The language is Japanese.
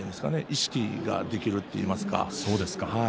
意識ができるといいますか。